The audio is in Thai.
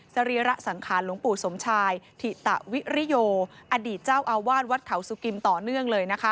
สรีระสังขารหลวงปู่สมชายถิตวิริโยอดีตเจ้าอาวาสวัดเขาสุกิมต่อเนื่องเลยนะคะ